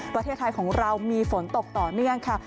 ประเทศไทยของเรามีฝนตกต่อเนื่องค่ะ